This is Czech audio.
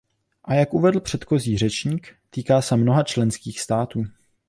A jak uvedl předchozí řečník, týká se mnoha členských států.